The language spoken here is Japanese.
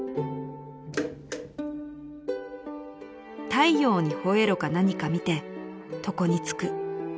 ［「『太陽に吠えろ』か何か見て床に就く」］